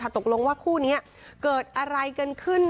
ตกลงว่าคู่นี้เกิดอะไรกันขึ้น